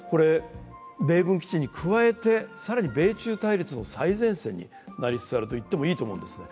米軍基地に加えて、更に米中対立の最前線になりつつあると言ってもいいと思うんですね。